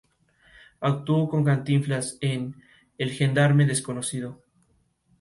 En fechas recientes es colaborador habitual del "El Periódico de Cataluña" o "El Confidencial".